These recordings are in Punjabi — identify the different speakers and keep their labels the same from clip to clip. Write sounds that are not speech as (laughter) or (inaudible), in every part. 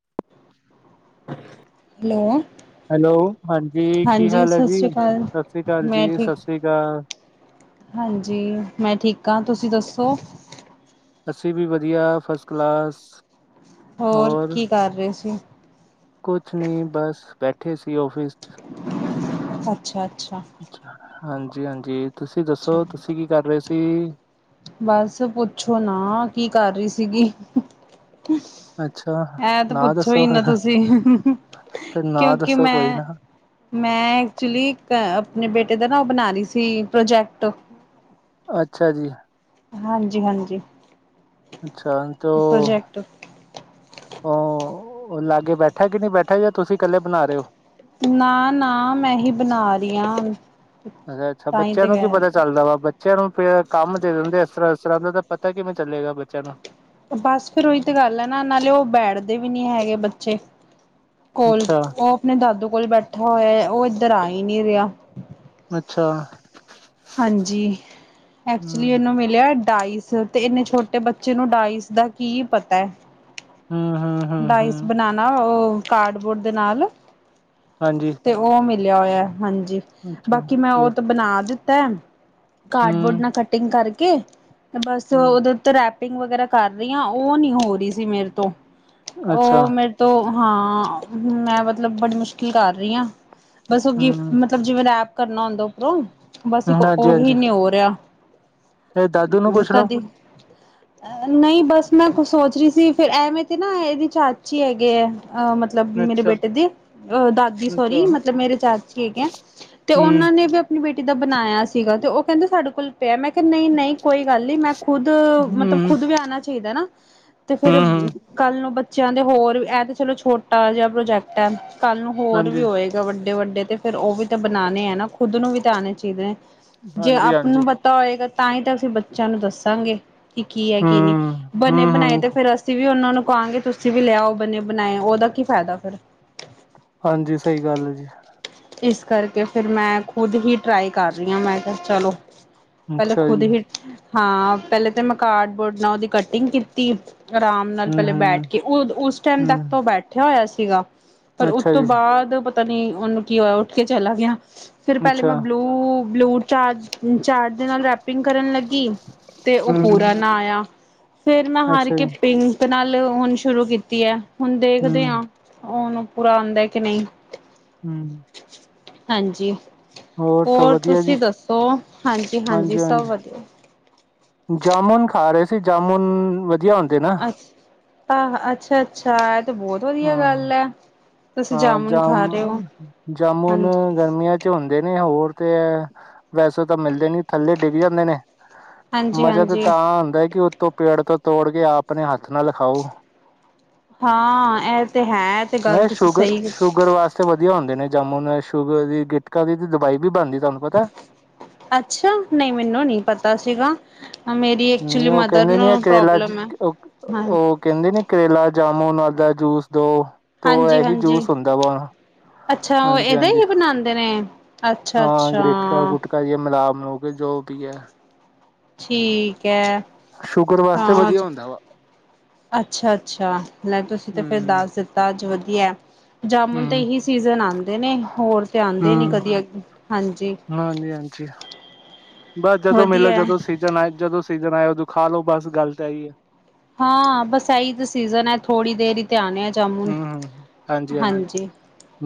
Speaker 1: (unintelligible)
Speaker 2: ਹੈਲੋ
Speaker 1: ਹੈਲੋ ਹਾਂਜੀ ਕੀ ਹਾਲ ਹੈ
Speaker 2: ਸਤਿ
Speaker 1: ਜੀ
Speaker 2: ਸ਼੍ਰੀ ਅਕਾਲ।
Speaker 1: ਸਤਿ ਸ਼੍ਰੀ ਅਕਾਲ
Speaker 2: ਮੈਂ
Speaker 1: ਜੀ
Speaker 2: ਠੀਕ
Speaker 1: ਸਤਿ ਸ਼੍ਰੀ ਅਕਾਲ (unintelligible)
Speaker 2: ਹਾਂਜੀ ਮੈਂ ਠੀਕ ਹਾਂ ਤੁਸੀਂ ਦੱਸੋ
Speaker 1: ਅਸੀ ਵੀ ਵਧੀਆ ਫਸਟ ਕਲਾਸ
Speaker 2: ਹੋਰ ਕੀ ਕਰ ਰਹੇ ਸੀ
Speaker 1: ਕੁਛ ਨਹੀਂ ਬਸ ਬੈਠੇ ਸੀ ਆਫਿਸ ਚ
Speaker 2: ਅੱਛਾ -ਅ
Speaker 1: ਹਾਂਜੀ -ਹਾਂਜੀ ਤੁਸੀਂ
Speaker 2: ਅੱਛਾ,
Speaker 1: ਦੱਸੋ ਤੁਸੀਂ ਕੀ ਕਰ ਰਹੇ ਸੀ
Speaker 2: ਬਸ ਪੁੱਛੋ ਨਾ ਕੀ ਕਰ ਰਹੀ ਸੀਗੀ
Speaker 1: ਅੱਛਾ
Speaker 2: ਇਹਂ ਤੇ
Speaker 1: ਨਾ
Speaker 2: ਪੁੱਛੋ
Speaker 1: ਦੱਸੋ
Speaker 2: ਹੀ ਨਾ
Speaker 1: ਫਿਰ
Speaker 2: ਤੁਸੀ
Speaker 1: ਫਿਰ ਨਾ
Speaker 2: ਕਿਉਂਕਿ
Speaker 1: ਦੱਸੋ ਕੋਈ
Speaker 2: ਮੈਂ
Speaker 1: ਨਾ
Speaker 2: ਮੈਂ ਐਕਚੁਲੀ ਅ ਆਪਣੇ ਬੇਟੇ ਦਾ ਨਾ ਉਹ ਬਣਾ ਰਹੀ ਸੀ ਪ੍ਰੋਜੈਕਟ
Speaker 1: ਅੱਛਾ ਜੀ
Speaker 2: ਹਾਂਜੀ- ਹਾਂਜੀ
Speaker 1: ਅੱਛਾ ਤੋਂ
Speaker 2: ਪ੍ਰੋਜੈਕਟ
Speaker 1: ਅ ਉਹ ਲਾਗੇ ਬੈਠਾ ਕਿ ਨਹੀਂ ਬੈਠਾ ਜ ਤੁਸੀਂ ਇਕੱਲੇ ਬਣਾ ਰਹੇ ਹੋ
Speaker 2: ਨਾ ਨਾ ਮੈਂ ਹੀ ਬਣਾ ਰਹੀ ਹਾਂ
Speaker 1: ਅੱਛਾ -ਅੱਛਾ
Speaker 2: ਤਾਂ ਹੀ
Speaker 1: ਬੱਚਿਆਂ
Speaker 2: ਤੇ
Speaker 1: ਨੂੰ ਕੀ
Speaker 2: ਕਹਿ ਰਹੀ
Speaker 1: ਪਤਾ ਚੱਲਦਾ ਵਾ ਬੱਚਿਆਂ ਨੂੰ ਕੰਮ ਦੇ ਦਿੰਦੇ ਇਸ ਤਰ੍ਹਾਂ ਇਸ ਤਰ੍ਹਾਂ ਦਾ ਤਾਂ ਪਤਾ ਕਿਵੇਂ ਚੱਲੇਗਾ ਬੱਚਿਆਂ ਨੂੰ
Speaker 2: ਬਸ ਫੇਿਰ ਉਹੀ ਤੇ ਗੱਲ ਹੈ ਨਾ ਨਾਲੇ ਉਹ ਬੈਠਦੇ ਵੀ ਨੀ ਹੈਗੇ ਬੱਚੇ ਕੋਲ
Speaker 1: ਅੱਛਾ
Speaker 2: ਉਹ ਆਪਣੇ ਦਾਦੂ ਕੋਲ ਬੈਠਾ ਹੋਇਆ ਉਹ ਇੱਧਰ ਆ ਹੀ ਨਹੀ ਰਿਹਾ
Speaker 1: ਅੱਛਾ
Speaker 2: ਹਾਂਜੀ ਐਕਚੁਲੀ
Speaker 1: ਹੂੰ,
Speaker 2: ਇਹਨੂੰ ਮਿਲਿਆ ਡਾਇਸ ਤੇ ਇੰਨੇ ਛੋਟੇ ਬੱਚੇ ਨੂੰ ਡਾਇਸ ਦਾ ਕੀ ਪਤਾ ਹੈ
Speaker 1: ਹੂੰ, ਹੂੰ, ਹੂੰ,
Speaker 2: ਡਾਇਸ
Speaker 1: ਹੂੰ,
Speaker 2: ਬਣਾਣਾ ਉਹ ਕਾਰਡਬੋਰਡ ਦੇ ਨਾਲ
Speaker 1: ਹਾਂਜੀ,
Speaker 2: ਤੇ ਉਹ ਮਿਲਿਆ ਹੋਇਆ ਹਾਂਜੀ
Speaker 1: ਅੱਛਾ,
Speaker 2: ਬਾਕੀ ਮੈਂ ਉਹ ਤਾਂ ਬਣਾ ਦਿੱਤਾ ਕਾਰਡਬੋਰਡ
Speaker 1: ਹੂੰ,
Speaker 2: ਨਾਲ ਕਟਿੰਗ ਕਰਕੇ ਤੇ ਬਸ
Speaker 1: ਹੂੰ,
Speaker 2: ਉਹਦੇ ਉ ਰੈਪ ਟਿੰਗ ਵਗੈਰਾ ਕਰ ਰਹੀ ਹ ਉਹ ਨੀ ਹੋ ਰਹੀ ਸੀ ਮੇਰੇ ਤੋਂ
Speaker 1: ਅੱਛਾ,
Speaker 2: ਉਹ ਮੇਰੇ ਤੋਂ ਹਾਂ ਮੈਂ ਮਤਲਬ ਬੜੀ ਮੁਸ਼ਕਿਲ ਕਰ ਰਹੀ ਹਾਂ ਬਸ ਉਹ ਗਿਫ
Speaker 1: ਹੂੰ,
Speaker 2: ਮਤਲਬ ਜਿਵੇਂ ਰੈਪ ਕਰਨਾ ਹੁੰਦਾ ਉੱਪਰੋਂ ਬਸ ਇੱਕ ਉਹੀ
Speaker 1: ਹਾਂਜੀ-ਹਾਂਜੀ,
Speaker 2: ਨੀ ਹੋ ਰਿਹਾ
Speaker 1: ਇਹ ਦਾਦੂ ਨੂੰ ਪੁੱਛ ਲਓ,
Speaker 2: ਕਦੀ ਨਹੀਂ ਬਸ ਮੈਂ ਸੋਚ ਰਹੀ ਸੀ ਫਿਰ ਐਵੇਂ ਤੇ ਨਾ ਇਹਦੇ ਚਾਚ ਹੀ ਹੈਗੇ ਹੈ ਅਹ ਮਤਲਬ ਮੇਰੇ
Speaker 1: ਅੱਛਾ,
Speaker 2: ਬੇਟੇ ਦੇ ਅਹ ਦਾਦੀ ਸੋਰੀ
Speaker 1: ਅੱਛਾ, ਹੂੰ,
Speaker 2: ਮਤਲਬ ਮੇਰੇ ਚਾਚੀ ਹੈਗੇ ਹੈ ਤੇ
Speaker 1: ਹੂੰ,
Speaker 2: ਉਹਨਾਂ ਨੇ ਵੀ ਆਪਣੀ ਬੇਟੀ ਦਾ ਬਣਾਇਆ ਸੀਗਾ ਤੇ ਉਹ ਕਹਿੰਦੇ ਸਾਡੇ ਕੋਲ ਪਿਆ ਮੈਂ ਕਿਹਾ ਨਹੀਂ ਨਹੀਂ ਕੋਈ ਗੱਲ ਨੀ ਮੈਂ ਖੁਦ ਮਤਲਬ
Speaker 1: ਹੂੰ,
Speaker 2: ਖੁਦ ਵੀ ਆਉਣਾ ਚਾਹੀਦਾ ਨਾ ਤੇ ਫਿਰ ਕੱਲ ਨੂੰ ਬੱਚਿਆਂ ਦੇ ਹੋਰ ਇਹ ਤੇ ਚਲੋ ਛੋਟਾ ਜਿਹਾ ਪ੍ਰੋਜੈਕਟ ਹੈ ਕੱਲ੍ਹ ਨੂੰ ਹੋਰ ਵੀ
Speaker 1: ਹਾਂਜੀ,
Speaker 2: ਹੋਏਗਾ ਵੱਡੇ ਵੱਡੇ ਤੇ ਫੇਿਰ ਉਹ ਵੀ ਤਾਂ ਬਣਾਉਣੇ ਹੈ ਨਾ ਖੁਦ ਨੂੰ ਵੀ ਤਾਂ ਆਉਣੇ ਚੀਜ਼ ਨੇ ਜੇ ਆਪ ਨੂੰ
Speaker 1: ਹਾਂਜੀ-ਹਾਂਜੀ,
Speaker 2: ਪਤਾ ਹੋਏਗਾ ਤਾਂ ਹੀ ਤਾਂ ਅਸੀਂ ਬੱਚਿਆਂ ਨੂੰ ਦੱਸਾਂਗੇ ਕਿ ਕੀ ਹੈ ਕੀ ਨਹੀਂ
Speaker 1: ਹੂੰ,
Speaker 2: ਬਣੇ
Speaker 1: ਹੂੰ,
Speaker 2: ਬਣਾਏ
Speaker 1: ਹੂੰ,
Speaker 2: ਤੇ ਫੇਿਰ ਅਸੀਂ ਵੀ ਉਹਨਾਂ ਨੂੰ ਕਾਂਗੇ ਤੁਸੀਂ ਵੀ ਲਿਆਓ ਬਣੇ ਬਣਾਏ ਉਹਦਾ ਕੀ ਫਾਇਦਾ ਫਿਰ
Speaker 1: ਹਾਂਜੀ ਸਹੀ ਗੱਲ ਹੈ ਜੀ
Speaker 2: ਇਸ ਕਰਕੇ ਫਿਰ ਮੈਂ ਖੁਦ ਹੀ ਟਰਾਈ ਕਰ ਰਹੀ ਹਾਂ ਮੈਂ ਕਿਹਾ ਚਲੋ ਪਹਿਲੇ
Speaker 1: ਅੱਛਾ
Speaker 2: ਖੁਦ
Speaker 1: ਜੀ,
Speaker 2: ਹੀ ਹਾਂ ਪਹਿਲੇ ਤੇ ਮੈਂ ਕਾਰਡਬੋਰਡ ਨਾਲ ਉਹਦੀ ਕਟਿੰਗ ਕੀਤੀ ਆਰਾਮ ਨਾਲ
Speaker 1: ਹੂੰ,
Speaker 2: ਪਹਿਲੇ
Speaker 1: ਹੂੰ,
Speaker 2: ਬੈਠ ਕੇ ਉਸ ਟਾਈਮ ਤੱਕ ਤਾਂ
Speaker 1: ਹੂੰ,
Speaker 2: ਉਹ ਬੈਠਿਆ ਹੋਇਆ ਸੀਗਾ ਪਰ ਉਸ
Speaker 1: ਅੱਛਾ
Speaker 2: ਤੋਂ
Speaker 1: ਜੀ,
Speaker 2: ਬਾਅਦ ਪਤਾ ਨੀ ਉਹਨੂੰ ਕੀ ਹੋਇਆ ਉੱਠ ਕੇ ਚਲਾ ਗਿਆ। ਫਿਰ ਪਹਿਲੇ ਮੈਂ
Speaker 1: ਅੱਛਾ,
Speaker 2: ਬਲੂ ਬਲੂ ਚਾਰਜ ਚਾਰਜ ਦੇ ਨਾਲ ਰੈਪਿੰਗ ਕਰਨ ਲੱਗੀ। ਤੇ ਉਹ
Speaker 1: ਹੂੰ,
Speaker 2: ਪੂਰਾ ਨਾ ਆਇਆ ਫੇਰ ਮੈਂ ਹਾਰ
Speaker 1: ਅੱਛਾ
Speaker 2: ਕੇ
Speaker 1: ਜੀ,
Speaker 2: ਪਿੰਕ। ਤੇ ਨਾਲ ਹੁਣ ਸ਼ੁਰੂ ਕੀਤੀ ਹੈ ਹੁਣ ਦੇਖਦੇ
Speaker 1: ਹੂੰ,
Speaker 2: ਹਾਂ ਉਹਨੂੰ ਪੂਰਾ ਆਉਂਦਾ ਕਿ ਨਹੀਂ
Speaker 1: ਹਮ।
Speaker 2: ਹਾਂਜੀ ਹੋਰ
Speaker 1: ਵਧੀਆ ਜੀ,
Speaker 2: ਤੁਸੀਂ ਦੱਸੋ। ਹਾਂਜੀ ਹਾਂਜੀ ਸਭ
Speaker 1: ਹਾਂਜੀ-ਹਾਂਜੀ,
Speaker 2: ਵਧੀਆ।
Speaker 1: ਜਾਮੁਨ ਖਾ ਰਹੇ ਸੀ ਜਾਮੁਨ। ਵਧੀਆ ਹੁੰਦੇ ਨਾ।
Speaker 2: ਅੱਛ ਆ ਅੱਛਾ ਅੱਛਾ ਇਹ ਤੇ ਬਹੁਤ ਵਧੀਆ
Speaker 1: ਹਾਂ,
Speaker 2: ਗੱਲ ਆ।
Speaker 1: ਹਾਂ ਜਾਮ ਜਾਮੁਨ
Speaker 2: ਹਾਂਜੀ,
Speaker 1: ਗਰਮੀਆਂ ਚ ਹੁੰਦੇ ਨੇ ਉਹ। ਹੋਰ ਤੇ ਏਹ ਵੈਸੇ ਤਾਂ ਮਿਲਦੇ ਨੀ ਥੱਲੇ ਡਿੱਗ ਜਾਂਦੇ ਨੇ। ਮਜ਼ਾ ਤੇ
Speaker 2: ਹਾਂਜੀ-ਹਾਂਜੀ।
Speaker 1: ਤਾਂ ਹੁੰਦਾ ਹੈ ਕਿ ਉੱਤੋਂ ਪੇੜ ਤੋਂ। ਤੋੜ ਕੇ ਆਪਣੇ ਹੱਥ ਨਾਲ ਖਾਓ।
Speaker 2: ਹਾਂ ਇਹ ਤੇ ਹੈ ਤੇ ਗੱਲ
Speaker 1: ਨਾਲੇ
Speaker 2: ਤੁਸੀਂ।
Speaker 1: ਸ਼ੂਗਰ
Speaker 2: ਸਹੀ
Speaker 1: ਸ਼ੂਗਰ ਵਾਸਤੇ ਵਧੀਆ ਹੁੰਦੇ ਨੇ ਜਾੰਮੂ ਸ਼ੂਗਰ ਦੀ ਗਿਟਕਾ ਦੀ ਤੇ ਦਵਾਈ ਵੀ ਬਣਦੀ। ਤੁਹਾਨੂੰ ਪਤਾ।
Speaker 2: ਅੱਛਾ ਨਹੀਂ ਮੈਨੂੰ ਨੀ ਪਤਾ ਸੀਗਾ। ਮੇਰੀ ਐਕਚੁਲੀ
Speaker 1: ਨਹੀਂ ਉਹ
Speaker 2: ਮਦਰ
Speaker 1: ਕਹਿੰਦੇ ਨੀ
Speaker 2: ਨੂੰ
Speaker 1: ਕਰੇਲਾ
Speaker 2: ਪ੍ਰੋਬਲਮ ਐ। ਹਾਂ
Speaker 1: ਉਹ ਕਹਿੰਦੇ ਨੀ ਕਰੇਲਾ ਜਾਮੁਨ। ਦਾ ਜੂਸ ਦੋ ਤੋ ਇਹੀ
Speaker 2: ਹਾਂਜੀ-ਹਾਂਜੀ
Speaker 1: ਜੂਸ ਹੁੰਦਾ ਵਾ ਹੁਣ।
Speaker 2: ਅੱਛਾ ਉਹ
Speaker 1: ਹਾਂਜੀ
Speaker 2: ਇਹਦਾ
Speaker 1: ਹਾਂਜੀ
Speaker 2: ਹੀ ਬਣਾਉਂਦੇ ਨੇ।
Speaker 1: ਹਾਂ
Speaker 2: ਅੱਛਾ-ਅੱਛਾ
Speaker 1: ਗਿਟਕਾਂ ਗੁਟਕਾ ਜੀ ਮਿਲਾ ਮਲੂ ਕ। ਜੋ ਵੀ ਹੈ
Speaker 2: ਠੀਕ ਐ
Speaker 1: ਸ਼ੁਗਰ ਵਾਸਤੇ ਵਧੀਆ ਹੁੰਦਾ ਵਾ।
Speaker 2: ਅੱਛਾ ਅੱਛਾ ਮੈਂ ਤੁਸੀਂ ਤੇ ਫਿਰ
Speaker 1: ਹੂੰ
Speaker 2: ਦੱਸ ਦਿੱਤਾ ਅੱਜ ਵਧੀਆ। ਜਾਮੁਣ ਤੇ
Speaker 1: ਹੂੰ
Speaker 2: ਇਹੀ ਸੀਜਨ ਆਉਂਦੇ ਨੇ ਹੋਰ ਤੇ ਆਉਂਦੇ ਨੀ
Speaker 1: ਹੂੰ
Speaker 2: ਕਦੀ ਅਗੇ
Speaker 1: ਹਾਂਜੀ ਹਾਂਜੀ ਬਸ ਜਦੋਂ ਮਿਲੋ
Speaker 2: ਵਧੀਆ
Speaker 1: ਜਦੋਂ ਸੀਜਨ ਆ ਜਦੋਂ। ਸੀਜਨ ਆਇ ਉਦੋਂ ਖਾ ਲੋ ਬਸ ਗੱਲ ਤੇ ਏਹ ਹੀ ਹੈ।
Speaker 2: ਹਾਂ ਬਸ ਏਹੀ ਤਾਂ ਸੀਜਨ ਹੈ ਥੋਡੀ ਦੇਰ ਹੀ ਤੇ ਆਉਣੇ ਆ। ਜਾਮੁਨ।
Speaker 1: ਹਮ ਹਮ ਹਾਂਜੀ ਹਾਂਜੀ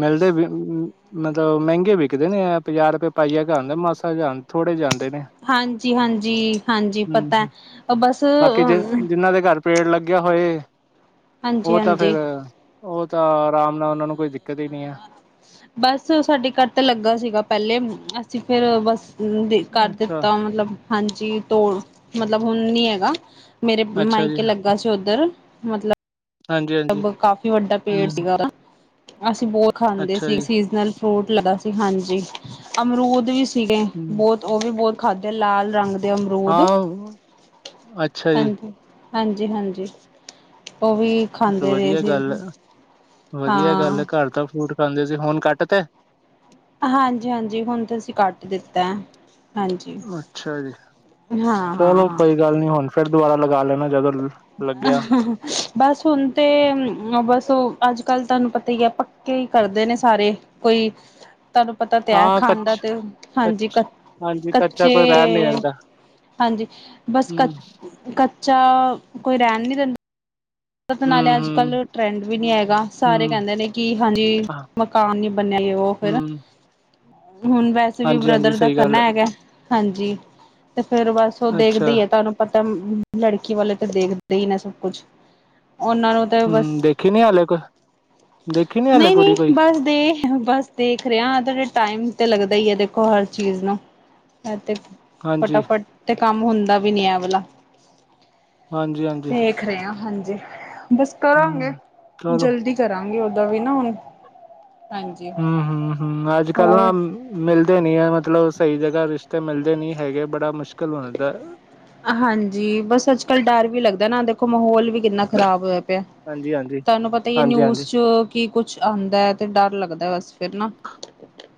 Speaker 1: ਮਿਲਦੇ ਵੀ ਮਤਲਬ ਮਹਿੰਗੀ। ਵਿਕਦੇ ਨੇ ਇਹ ਪੰਜਾਹ ਕ ਰੁਪਏ ਪਾਈਆ ਆਂਦੇ ਮਸਾ ਜੈ ਹਨ ਥੋੜੇ ਜੈ ਹਨ
Speaker 2: ਹਾਂਜੀ ਹਾਂਜੀ ਹਾਂਜੀ
Speaker 1: ਹੂੰ
Speaker 2: ਪਤਾ
Speaker 1: ਹੂੰ
Speaker 2: ਹੈ ਬਸ।
Speaker 1: ਬਾਕੀ ਜਿ ਜਿੰਹਨਾਂ ਦੇ ਘਰ। ਪੇੜ ਲੱਗਿਆ ਹੋਏ ਉਹ ਤਾਂ ਫੇਰ
Speaker 2: ਹਾਂਜੀ-ਹਾਂਜੀ।
Speaker 1: ਉਹ ਤਾਂ ਆਰਾਮ ਨਾਲ ਉਹ ਨੂੰ ਕੋਈ। ਕਦੇ ਨਹੀਂ ਆ।
Speaker 2: ਬਸ ਸਾਡੇ ਘਰ ਤਾਂ ਲੱਗਾ ਸੀਗਾ ਪਹਿਲੇ ਅਸੀਂ ਫੇਰ ਬਸ। ਕਰ
Speaker 1: ਅੱਛਾ
Speaker 2: ਦਿੱਤਾ ਮਤਲਬ ਹਾਂਜੀ ਤੋੜ ਮਤਲਬ ਹੁਣ ਨੀ ਹੈਗਾ। ਮੇਰੇ
Speaker 1: ਅੱਛਾ ਜੀ
Speaker 2: ਮਾਈਕੇ ਲੱਗਾ ਸੀ ਉੱਧਰ ਮਤਲਬ।
Speaker 1: ਹਾਂਜੀ ਹਾਂਜੀ
Speaker 2: ਮਤਲਬ ਕਾਫ਼ੀ ਵੱਡਾ ਪੇੜ
Speaker 1: ਹੂੰ
Speaker 2: ਸੀਗਾ। ਅਸੀਂ ਬੋਹ ਖਾਂਦੇ
Speaker 1: ਅੱਛਾ
Speaker 2: ਸੀ,
Speaker 1: ਜੀ
Speaker 2: ਸੀਜ਼ਨਲ ਫਰੂਟ ਲਦਾ ਸੀ ਹਾਂਜੀ। ਅਮਰੂਦ ਵੀ ਸਿਗੇ,
Speaker 1: ਹੂੰ
Speaker 2: ਬਹੁਤ ਉਹ ਵੀ ਬਹੁਤ ਖਾਧੇ, ਲਾਲ ਰੰਗ ਦੇ ਅਮਰੂਦ।
Speaker 1: ਹਾਂ ਅੱਛਾ ਜੀ।
Speaker 2: ਹਾਂਜੀ-ਹਾਂਜੀ।
Speaker 1: ਤੇ ਵਧੀਆ ਗੱਲ ਏ, ਵਧੀਆ ਗੱਲ
Speaker 2: ਹਾਂ
Speaker 1: ਏ ਘਰ ਤਾਂ ਫਰੂਟ ਖਾਂਦੇ ਸੀ ਹੁਣ ਕੱਟ ਤੇ
Speaker 2: ਹਾਂਜੀ-ਹਾਂਜੀ ਹੁਣ ਤਾਂ ਅਸੀਂ ਕੱਟ ਦਿੱਤਾ ਏ।
Speaker 1: ਅੱਛਾ ਜੀ
Speaker 2: ਹਾਂ ਹਾਂ
Speaker 1: ਚਲੋ
Speaker 2: ਹਾਂ
Speaker 1: ਕੋਈ ਗੱਲ ਨੀ ਹੁਣ ਫਿਰ ਦੁਬਾਰਾ ਲਗਾ ਲੈਣਾ ਜਦੋਂ ਲੱਗਿਆ
Speaker 2: (inaudible) ਬਸ ਹੁਣ ਤੇ ਬਸ ਉ ਅੱਜ ਕੱਲ ਤੁਹਾਨੂੰ ਪਤਾ ਹੀ ਏ, ਪੱਕੇ ਹੀ ਕਰਦੇ ਨੇ ਸਾਰੇ, ਕੋਈ ਤੁਹਾਨੂੰ ਪਤਾ ਤੇ ਹੈ
Speaker 1: ਹਾਂ
Speaker 2: ਖਾਂਦਾ
Speaker 1: ਕੱਚ
Speaker 2: ਤੇ ਹਾਂਜੀ
Speaker 1: ਕੱਚ
Speaker 2: ਕਚ
Speaker 1: ਹਾਂਜੀ ਕੱਚਾ
Speaker 2: ਕੱਚੇ
Speaker 1: ਕੋਈ ਰਹਿ ਨੀ ਜਾਂਦਾ
Speaker 2: ਹਾਂਜੀ ਬਸ ਕ
Speaker 1: ਹੂੰ,
Speaker 2: ਕੱਚਾ ਕੋਈ ਰਹਿਣ ਨੀ ਦਿੰਦਾ ਤੇ ਨਾਲੇ
Speaker 1: ਹੂੰ,
Speaker 2: ਅੱਜ
Speaker 1: ਹੂੰ,
Speaker 2: ਕੱਲ੍ਹ ਟਰੈਂਡ ਵੀ ਨੀ ਹੈਗਾ, ਸਾਰੇ
Speaker 1: ਹੂੰ
Speaker 2: ਕਹਿੰਦੇ ਨੇ ਕਿ ਹਾਂਜੀ,
Speaker 1: ਹਾਂ,
Speaker 2: ਮਕਾਨ ਨੀ ਬਨਿਆ? ਤੇ ਉਹ ਫੇਰ
Speaker 1: ਹੂੰ,
Speaker 2: ਹੁਣ ਵੈਸੇ ਵੀ
Speaker 1: ਹਾਂਜੀ ਹਾਂਜੀ
Speaker 2: ਬ੍ਰਦਰ ਦਾ
Speaker 1: ਸਹੀ ਗੱਲ
Speaker 2: ਕਰਨਾ
Speaker 1: ਐ
Speaker 2: ਹੈਗਾ, ਹਾਂਜੀ, ਤੇ ਫੇਰ ਬਸ ਉਹ ਦੇਖਦੇ
Speaker 1: ਅੱਛਾ
Speaker 2: ਹੀ ਆ ਤੁਹਾਨੂ ਪਤਾ ਲੜਕੀ ਵਾਲੇ ਤੇ ਦੇਖਦੇ ਹੀ ਨਾ ਸਭ ਕੁਛ ਉਹਨਾਂ ਨੂੰ, ਤਾਂ ਬਸ।
Speaker 1: ਹੂੰ ਦੇਖੀ ਨੀ ਹਾਲੇ ਕੋਈ ਦੇਖੀ ਨੀ ਹਾਲੇ ਕੁੜੀ
Speaker 2: ਨਹੀਂ--ਨਹੀਂ।
Speaker 1: ਕੋਈ
Speaker 2: ਬਸ ਦੇਖ, ਬਸ ਦੇਖ ਰਹੇ ਟਾਈਮ ਤੇ ਲੱਗਦਾ ਹੀ ਹੈ, ਦੇਖੋ ਹਰ ਚੀਜ਼ ਨੂੰ। ਤੇ
Speaker 1: ਹਾਂਜੀ,
Speaker 2: ਫਟਾਫਟ ਤੇ ਕੰਮ ਹੁੰਦਾ ਵੀ ਨੀਂ ਐ ਵਾਲਾ।
Speaker 1: ਹਾਂਜੀ
Speaker 2: (unintelligible)
Speaker 1: ਹਾਂਜੀ
Speaker 2: ਦੇਖ ਰਹੇ ਆ, ਹਾਂਜੀ। ਬਸ ਕਰਾਂਗੇ,
Speaker 1: ਹੂੰ ਚਲੋ
Speaker 2: ਜਲਦੀ ਕਰਾਂਗੇ। ਓਦਾਂ ਵੀ ਨਾ, ਹੁਣ। ਹਾਂਜੀ
Speaker 1: ਹੂੰ ਹੂੰ ਹੂੰ। ਅੱਜ -ਕੱਲ੍ਹ ਨਾ
Speaker 2: ਹੋਰ
Speaker 1: ਮਿਲਦੇ ਨ ਆ। ਮਤਲਬ ਸਈ ਜਗਾ ਰਿਸ਼ਤੇ ਮਿਲਦੇ ਨੀ ਹੈਗੇ, ਬੜਾ ਮੁਸ਼ਕਲ ਹੁੰਦਾ।
Speaker 2: ਹਾਂਜੀ ਬਸ ਅੱਜ ਕੱਲ ਡਰ ਵੀ ਲੱਗਦਾ ਨਾ ਦੇਖੋ ਮਹੌਲ ਵੀ ਕਿੰਨਾ ਖ਼ਰਾਬ ਹੋਇਆ ਪਿਆ।
Speaker 1: ਹਾਂਜੀ-ਹਾਂਜੀ,
Speaker 2: ਤੁਹਾਨੂੰ ਪਤਾ ਈ ਹੈ,
Speaker 1: ਹਾਂਜੀ-ਹਾਂਜੀ, ਹਾਂਜੀ ਹਾਂਜੀ
Speaker 2: ਨਿਊਜ਼ ਚ ਕੀ ਕੁਛ ਆਉਂਦਾ ਹੈ, ਤੇ ਡਰ ਲੱਗਦਾ ਬਸ ਫਿਰ ਨਾ।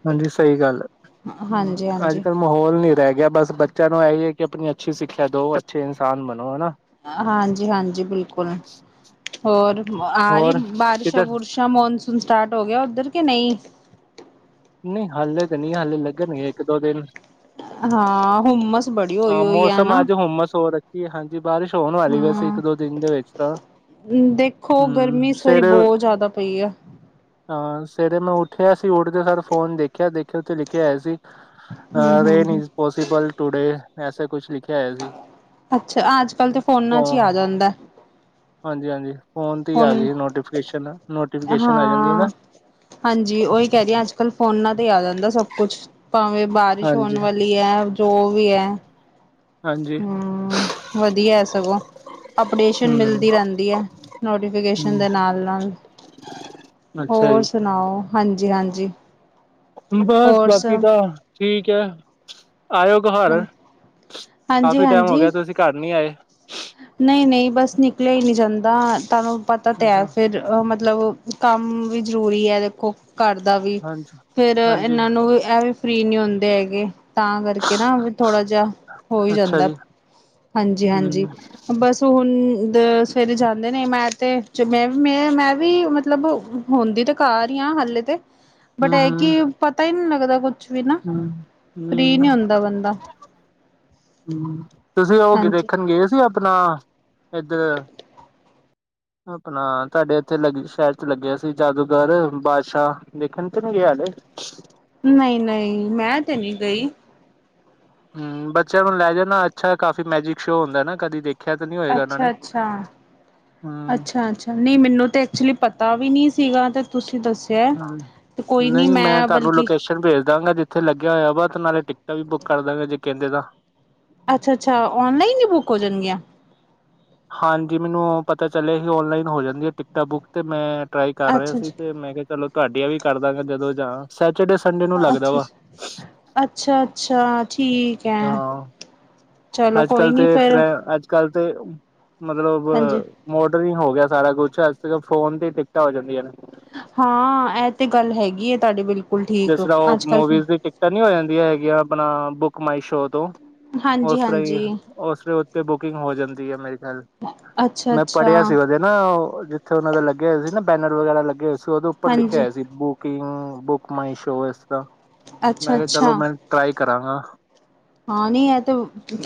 Speaker 1: ਹਾਂਜੀ ਸਹੀ ਗੱਲ ਏ,
Speaker 2: ਹਾਂਜੀ
Speaker 1: ਅੱਜ
Speaker 2: ਹਾਂਜੀ
Speaker 1: ਕੱਲ ਮਾਹੌਲ ਨੀ ਪੈ ਗਿਆ ਬਸ, ਬੱਚਿਆਂ ਨੂੰ ਇਹਹੀ ਹੈ ਕਿ ਆਪਣੀ ਅੱਛੀ ਸਿੱਖਿਆ ਦੋ, ਅੱਛੇ ਇਨਸਾਨ ਬਣੋ ਹਨਾ।
Speaker 2: ਹਾਂਜੀ-ਹਾਂਜੀ ਬਿਲਕੁਲ। ਹੋਰ ਆ ਰਹੀ
Speaker 1: ਹੋਰ ਕਿੱਧਰ
Speaker 2: ਬਾਰਸ਼ਾਂ-ਬੁਰਸ਼ਾਂ ਮੋਨ ਸਟਾਰਟ ਹੋ ਗਿਆ ਉਧਰ, ਕਿ ਨਹੀਂ?
Speaker 1: ਨਈ ਹਾਲੇ ਤੇ ਨਹੀਂ, ਹਾਲੇ ਲੱਗਣਗੇ ਇੱਕ ਦੋ ਦਿਨ।
Speaker 2: ਹਾਂ ਹੁਮਸ ਬੜੀ ਹੋਈ
Speaker 1: ਹਾਂ
Speaker 2: ਹੋਈ ਹੈ
Speaker 1: ਮੌਸਮ
Speaker 2: ਨਾ
Speaker 1: ਅੱਜ ਹੁਮਸ ਹੋ ਰੱਖੀ ਏ, ਹਾਂਜੀ। ਬਾਰਿਸ਼ ਹੋਣ ਵਾਲੀ ਵੈਸੇ, ਇੱਕ
Speaker 2: ਹਾਂ
Speaker 1: ਦੋ ਦਿਨ ਦੇ ਵਿੱਚ ਤਾਂ।
Speaker 2: ਦੇਖੋ, ਗਰਮੀ
Speaker 1: ਹੂੰ
Speaker 2: ਇਸ ਵਾਰੀ
Speaker 1: ਸਵੇਰੇ
Speaker 2: ਬੋਤ ਜਾਦਾ ਪਈ ਏ।
Speaker 1: ਹਾਂ ਸਵੇਰੇ ਮੈਂ ਉਠਿਆ ਸੀ ਉਠਦੇ ਸਾਰ ਫੋਨ ਦੇਖਿਆ ਦੇਖਿਆ ਉਥੇ ਲਿਖਿਆ ਹੋਇਆ ਸੀ।
Speaker 2: ਹੂੰ
Speaker 1: ਅ
Speaker 2: hmm
Speaker 1: rain
Speaker 2: hmm
Speaker 1: is possible today, ਐਸੇ ਕੁਛ ਲਿਖ ਹੇ ਸੀ
Speaker 2: ਅੱਛਾ ਅੱਜ ਕੱਲ੍ਹ ਤਾਂ ਫੋਨਾਂ 'ਚ ਹੀ ਆ
Speaker 1: ਹਾ।
Speaker 2: ਜਾਂਦਾ
Speaker 1: ਹਾਂਜੀ-ਹਾਂਜੀ, ਫੋਨ ਤੇ ਆ ਗਈ ਨੋਟੀਫਿਕੇਸ਼ਨ, ਨੋਟੀਫਿਕੇਸ਼ਨ ਆ ਜਾਂਦੀ ਏ ਨਾ।
Speaker 2: ਹਾਂ ਹਾਂਜੀ ਉਹੀ ਕਹ ਰਈ ਆ, ਅੱਜ ਕੱਲ ਫੋਨਾ ਤੇ ਆ ਜਾਂਦਾ ਏ ਸਭ ਕੁਛ, ਭਾਵੇਂ ਬਾਰਿਸ਼
Speaker 1: ਹਾਂਜੀ।
Speaker 2: ਹੋਣ ਵਾਲੀ ਐ, ਜੋ ਵੀ ਐ।
Speaker 1: ਹਾਂਜੀ।
Speaker 2: ਹੂ, ਵਧੀਆ ਐ ਸਗੋ। ਅਪਡੇਸ਼ਨ ਮਿਲਦੀ
Speaker 1: ਹੂੰ-ਹੂੰ
Speaker 2: ਰਹਿੰਦੀ ਹੈ ਨੋਟੀਫਿਕੇਸ਼ਨ ਦੇ ਨਾਲ-ਨਾਲ
Speaker 1: ਅੱਛਾ
Speaker 2: ਹੋਰ
Speaker 1: ਜੀ
Speaker 2: ਸੁਣਾਓ? ਹਾਂਜੀ-ਹਾਂਜੀ।
Speaker 1: ਬਸ ਬਾਕੀ ਤਾਂ ਠੀਕ ਹੈ। ਆਇਓ ਘਰ, ਕਾਫੀ ਟਾਈਮ ਹੋ ਗਿਆ, ਤੁਸੀਂ ਘਰ ਨੀ ਆਏ?
Speaker 2: ਨਈ-ਨਈ, ਬਸ ਨਿਕਲਿਆ ਈ ਨਈ ਜਾਂਦਾ, ਤੁਹਾਨੂੰ ਪਤਾ ਤੇ ਹੈ
Speaker 1: ਅੱਛਾ
Speaker 2: ਫਿਰ ਅਹ ਮਤ ਮਤਲਬ ਕੰਮ ਵੀ ਜ਼ਰੂਰੀ ਏ ਦੇਖੋ। ਘਰ ਦਾ ਵੀ
Speaker 1: ਹਾਂਜੀ।
Speaker 2: ਫੇਰ
Speaker 1: ਹਾਂਜੀ
Speaker 2: ਇੰਨਾ ਨੂੰ ਵੀ ਏਹ ਵੀ ਫਰੀ ਨੀ ਹੁੰਦੇ ਹੈਗੇ। ਤਾਂ ਕਰਕੇ ਨਾ ਵੀ ਥੋੜਾ ਜਿਹਾ ਹੋ ਹੀ
Speaker 1: ਅੱਛਾ
Speaker 2: ਜਾਂਦਾ
Speaker 1: ਜੀ
Speaker 2: ਹਾਂਜੀ ਹਾਂਜੀ। ਬਸ ਹੁਣ ਸਵੇਰੇ ਜਾਂਦੇ ਨੇ ਮੈਂ ਤੇ ਜਿਵੇਂ ਮੈਂ ਮੈਂ ਵੀ ਮਤਲਬ। ਹੁੰਦੀ ਤੇ ਘਰ ਹੀ ਹਾਂ ਹਾਲੇ ਤੇ ਬਟ ਇਹ ਕੀ
Speaker 1: ਹੂੰ-ਹੂੰ-ਹੂੰ-ਹੂੰ-ਹੂੰ
Speaker 2: ਪਤਾ ਹੀ ਨਹੀਂ ਲੱਗਦਾ ਕੁਛ। ਵੀ ਨਾ ਫਰੀ ਨਹੀਂ ਹੁੰਦਾ ਬੰਦਾ।
Speaker 1: ਤੁਸੀਂ ਉਹ ਕਿ
Speaker 2: ਹਾਂਜੀ
Speaker 1: ਦੇਖਣ ਗਏ ਸੀ ਆਪਣਾ ਇਧਰ। (inaudible) ਆਪਣਾ ਤੁਹਾਡੇ ਇੱਥੇ ਲੱਗੇ ਸ਼ਹਿਰ ਚ ਲੱਗਿਆ ਸੀ। ਜਾਦੂਗਰ ਬਾਦਸ਼ਾਹ ਦੇਖਣ ਤੇ ਨੀ ਗਿਆ ਹਾਲੇ। (unintelligible)
Speaker 2: ਨਹੀਂ, ਨਹੀਂ। ਮੈਂ ਤੇ ਨਹੀਂ ਗਈ।
Speaker 1: ਹੁੰ। ਬੱਚਿਆਂ ਨੂੰ ਲੈ ਜਾ ਨਾ, ਅੱਛਾ ਕਾਫ਼ੀ ਮੈਜਿਕ ਸ਼ੋਅ ਹੁੰਦਾ ਨਾ। ਕਦੀ ਦੇਖ।
Speaker 2: ਅੱਛਾ - ਅੱਛਾ।
Speaker 1: ਹੂੰ,
Speaker 2: ਅੱਛਾ- ਅੱਛਾ। ਨਹੀਂ, ਮੈਨੂੰ ਤੇ ਐਕਚੁਲੀ ਪਤਾ ਵੀ ਨਹੀਂ ਸੀਗਾ ਤੇ। ਤੁਸੀਂ ਦੱਸਿਆ।
Speaker 1: (unintelligible) ਹਾਂ।
Speaker 2: ਤੇ ਕੋਈ ਨੀ
Speaker 1: ਨਹੀਂ ਮੈਂ ਤੁਹਾਨੂੰ
Speaker 2: ਬਲਕਿ
Speaker 1: ਲੋਕੇਸ਼ਨ ਭੇਜ ਦਾਂਗਾ ਜਿੱਥੇ ਲੱਗਿਆ ਹੋਇਆ ਵਾ ਤੇ ਨਾਲੇ ਟ ਕਲ ਬੁੱਕ ਕਰ ਦਾਂਗੇ, ਜੇ ਕਹਿੰਦੇ ਤਾਂ।
Speaker 2: ਅੱਛਾ- ਅੱਛ। ਔਨਲਾਈਨ ਹੀ ਬੁੱਕ ਹੋ ਜਾਣਗੀਆਂ।
Speaker 1: ਹਾਂਜੀ। ਮੈਨੂੰ ਪਤਾ ਚੱਲਿਆ ਹੀ ਔਨਲਾਈਨ ਹੋ ਜਾਂਦੀ ਟਿਕਟਾਂ ਬੁੱਕ, ਤੇ ਮੈਂ ਟਰਾਈ ਕਰ ਰਹਾ ਸੀ,
Speaker 2: ਅੱਛਾ-ਅੱਛਾ,
Speaker 1: ਤੇ ਮੈਂ ਕਿਹਾ ਚਲੋ ਤੁਹਾਡੀਆਂ ਵੀ ਕਰਦਾਂਗਾ। ਜਦੋਂ ਜਾਂ ਤੇ ਸੰਡੇ ਨੂੰ ਲੱਗਦਾ ਵਾ।
Speaker 2: ਅੱਛਾ- ਅੱਛਾ ਠੀਕ ਹੈ।
Speaker 1: ਹਾਂ,
Speaker 2: ਚਲੋ
Speaker 1: ਅੱਜ
Speaker 2: ਕੋਈ
Speaker 1: ਕੱਲ
Speaker 2: ਨੀ
Speaker 1: ਤੇ
Speaker 2: ਫਿਰ
Speaker 1: ਟਰੈ ਅੱਜ ਕੱਲ ਤੇ ਮਤਲਬ ਮੋੜ। ਫ੍ਰੀ ਹੋ ਗਿਆ ਸਾਰਾ ਕੁਛ, ਅੱਜ ਤੇ ਫੋਨ ਤੇ ਹੀ ਟਿਕਟਾਂ ਹੋ ਜਾਂਦੀਆਂ ਨੇ।
Speaker 2: ਹਾਂ, ਇਹ ਤੇ ਗੱਲ ਹੈਗੀ ਤੁਹਾਡੇ ਬਿਲਕੁਲ। ਠੀਕ
Speaker 1: ਜਿਸ ਤਰ੍ਹਾਂ ਉਹ
Speaker 2: ਅੱਜ ਕੱਲ
Speaker 1: ਮੂਵੀਜ਼ ਦੀ ਟਿਕਟਾਂ ਨੀ ਹੋ ਜਾਂਦੀਆਂ ਹੈਗੀਆਂ, ਆਪਣਾ ਬੁੱਕ ਮਾਈ ਸ਼ੋਅ ਤੋਂ। ਉਸ ਤਰ੍ਹਾਂ ਹੀ
Speaker 2: ਹਾਂਜੀ-ਹਾਂਜੀ,
Speaker 1: ਉਸਦੇ ਉੱਤੇ ਬੁਕਿੰਗ ਹੋ ਜਾਂਦੀ ਹੈ, ਮੇਰੇ ਖਿਆਲ। ਮੈਂ
Speaker 2: ਅੱਛਾ-ਅੱਛਾ,
Speaker 1: ਪੜ੍ਹਿਆ ਸੀ ਉਹਦੇ ਨਾ, ਜਿੱਥੇ ਉਹਨਾਂ ਦਾ ਲੱਗਿਆ ਹੋਇਆ ਸੀ ਨਾ। ਬੈਨਰ ਵਗੈਰਾ ਲੱਗੇ ਹੋਏ ਸੀ, ਉਹਦੇ ਉੱਪਰ ਲਿਖਿਆ
Speaker 2: ਹਾਂਜੀ
Speaker 1: ਹੋਇਆ ਸੀ ਬੁਕਿੰਗ ਬੁਕ ਮਾਈ ਸ਼ੋ। ਮੈਂ ਕਿਹਾ, ਚਲੋ
Speaker 2: ਅੱਛਾ-ਅੱਛਾ
Speaker 1: ਮੈਂ ਟਰਾਈ ਕਰਾਂਗਾ।
Speaker 2: ਹਾਂ, ਨਹੀਂ ਇਹ ਤੇ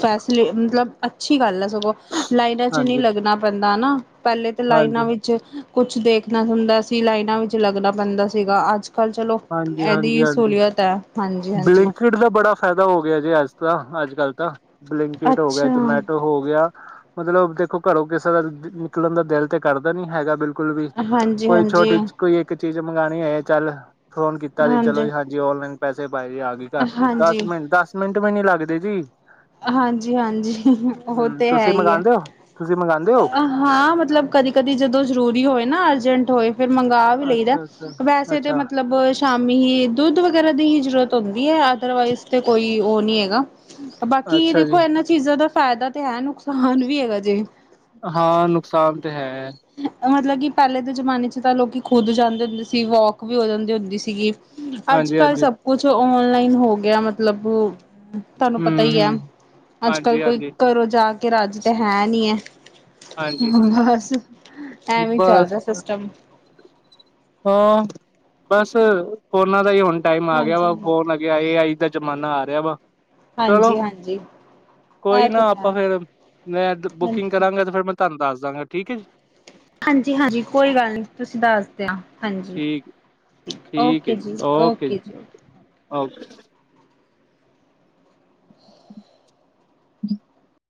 Speaker 2: ਫੈਸਲੀ ਮਤਲਬ ਅੱਛੀ ਗੱਲ ਹੈ। ਸਗੋਂ ਲਾਈਨਾਂ 'ਚ ਨਹੀ
Speaker 1: ਹਾਂਜੀ
Speaker 2: ਲੱਗਣਾ ਪੈਂਦਾ ਹਨਾ, ਪਹਿਲੇ ਤਾਂ ਲਾਈਨਾਂ
Speaker 1: ਹਾਂਜੀ
Speaker 2: ਵਿੱਚ। ਕੁਛ ਦੇਖਣਾ ਹੁੰਦਾ ਸੀ, ਲਾਈਨਾਂ ਵਿੱਚ ਲੱਗਣਾ ਪੈਂਦਾ ਸੀਗਾ ਅੱਜ। ਕੱਲ ਚਲੋ
Speaker 1: ਹਾਂਜੀ ਹਾਂਜੀ
Speaker 2: ਇਹਦੀ
Speaker 1: ਹਾਂਜੀ
Speaker 2: ਸਹੂਲੀਅਤ ਹੈ। ਹਾਂਜੀ ਹਾਂਜੀ
Speaker 1: ਬਲਿੰਕਟ ਦਾ ਬੜਾ ਫ਼ਾਇਦਾ ਹੋ ਗਿਆ ਜੇ, ਅੱਜ ਤਾਂ, ਅੱਜ-ਕੱਲ੍ਹ ਤਾਂ। ਬਲਿੰਕਟ ਹੋ ਗਿਆ,
Speaker 2: ਅੱਛਾ
Speaker 1: ਜਮੈਟੋ ਹੋ ਗਿਆ। ਮਤਲਬ ਦੇਖੋ, ਘਰੋਂ ਕਿਸੇ ਦਾ ਨਿਕਲਣ ਦਾ ਦਿਲ ਤੇ ਕਰਦਾ ਨੀ ਹੈਗਾ ਬਿਲਕੁਲ। ਕੁਲ ਵੀ
Speaker 2: ਹਾਂਜੀ
Speaker 1: ਕੋਈ,
Speaker 2: ਹਾਂਜੀ
Speaker 1: ਛੋਟੀ ਚ ਕੋਈ ਇੱਕ। ਚੀਜ਼ ਮੰਗਵਾਉਣੀ ਹੈ? ਚੱਲ ਫੋਨ ਕੀਤਾ ਜੇ ਚਲੋ ਜੀ, ਹਾਂਜੀ, ਔਨਲਾਈਨ ਪੈਸੇ। ਬਾਈ ਆ ਗਈ, ਘਰ 'ਚ ਦਸ
Speaker 2: ਹਾਂਜੀ
Speaker 1: ਮਿੰਟ, ਦਸ ਮਿੰਟ ਵੀ ਨੀ ਲੱਗਦੇ ਜੀ।
Speaker 2: ਹਾਂਜੀ-ਹਾਂਜੀ, ਉਹ
Speaker 1: ਹਮ
Speaker 2: ਤੇ ਹੈ
Speaker 1: ਤੁਸੀਂ
Speaker 2: ਹੀ ਹੈ।
Speaker 1: ਮੰਗਵਾਉਂਦੇ ਹੋ ਤੁਸੀਂ ਮੰਗਵਾਉਂਦੇ ਹੋ
Speaker 2: ਹਾਂ, ਮਤਲਬ ਕਦੀ-ਕਦੀ ਜਦੋਂ ਜ਼ਰੂਰੀ ਹੋਏ ਨਾ, ਅਰਜੈਂਟ ਹੋਏ। ਫਿਰ ਮੰਗਵਾ ਵੀ ਲਈਦਾ,
Speaker 1: ਅੱਛਾ ਅੱਛਾ
Speaker 2: ਵੈਸੇ ਤੇ
Speaker 1: ਅੱਛਾ
Speaker 2: ਮਤਲਬ ਸ਼ਾਮੀ ਹੀ ਦੁੱਧ ਵਗੈਰਾ ਦੀ ਹੀ ਜਰੂਰਤ ਹੁੰਦੀ ਹੈ। ਨਾ ਅਦਰਵਾਈਜ਼ ਤੇ ਕੋਈ ਉਹ ਨੀ ਹੈਗਾ। ਬਾਕੀ
Speaker 1: ਅੱਛਾ ਜੀ
Speaker 2: ਦੇਖੋ, ਇਹਨਾਂ ਚੀਜ਼ਾਂ ਦਾ ਫਾਇਦਾ ਤੇ ਹੈ, ਨੁਕਸਾਨ ਵੀ ਹੈਗਾ ਜੇ।
Speaker 1: ਹਾਂ ਨੁਕਸਾਨ ਤੇ ਹੈ
Speaker 2: (unintelligible) ਮਤਲਬ ਕਿ ਪਹਿਲੇ ਦੇ ਜ਼ਮਾਨੇ 'ਚ ਤਾਂ ਲੋਕ ਖੁਦ ਜਾਂਦੇ ਹੁੰਦੇ ਸੀ, ਵੋਕ ਵੀ ਹੋ ਜਾਂਦੀ ਹੁੰਦੀ ਸੀਗੀ।
Speaker 1: ਹਾਂਜੀ
Speaker 2: ਅੱਜ-ਕੱਲ੍ਹ
Speaker 1: ਹਾਂਜੀ
Speaker 2: ਸਭ ਕੁਛ ਔਨਲਾਈਨ ਹੋ ਗਿਆ, ਮਤਲਬ। ਤੁਹਾਨੂੰ ਪਤਾ
Speaker 1: ਹਮ
Speaker 2: ਹੀ ਹੈ,
Speaker 1: ਹਮ
Speaker 2: ਅੱਜ ਕੱਲ
Speaker 1: ਹਾਂਜੀ
Speaker 2: ਕੋਈ
Speaker 1: ਹਾਂਜੀ
Speaker 2: ਘਰੋਂ ਜਾ ਕੇ ਰਾਜ ਤਾਂ ਹੈ ਨੀ ਹੈ।
Speaker 1: ਹਾਂਜੀ
Speaker 2: ਬਸ। ਐਵੇਂ
Speaker 1: ਬਸ
Speaker 2: ਚੱਲਦਾ ਸਿਸਟਮ
Speaker 1: ਹ ਬਸ ਫੋਨਾਂ ਦਾ ਹੀ ਹੁਣ ਟਾਈਮ ਆ ਗਿਆ,
Speaker 2: ਹਾਂਜੀ
Speaker 1: ਵਾ ਫੋਨ ਆ ਗਿਆ ਏ ਆਈ ਦਾ ਜਮਾਨਾ ਆ ਰਿਹਾ ਵਾ। ਚਲੋ
Speaker 2: ਹਾਂਜੀ-ਹਾਂਜੀ।
Speaker 1: ਕੋਈ ਨਾ ਆਪਾਂ ਫੇਰ ਮੈਂ
Speaker 2: ਹਾਂਜੀ
Speaker 1: ਬੁਕਿੰਗ ਕਰਾਂਗਾ ਤੇ ਫੇਰ ਮੈਂ ਤੁਹਾਨੂੰ ਦੱਸ ਦਾਂਗਾ ਠੀਕ ਹੈ ਜੀ।
Speaker 2: ਹਾਂਜੀ ਹਾਂਜੀ ਕੋਈ ਗੱਲ ਨੀ ਤੁਸੀਂ ਦੱਸ ਦੇਨਾ। ਹਾਂਜੀ
Speaker 1: ਠੀਕ
Speaker 2: ਓਕੇ ਜੀ ਓਕੇ ਜੀ ਓਕੇ।
Speaker 1: ਓਕੇ। (unintelligible)